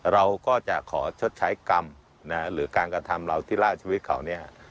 เราก็จะขอชดใช้กรรมหรือการกระทำเราที่ล่าชีวิตเขาเนี่ย